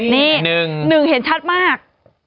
นี่๑เห็นชัดมาก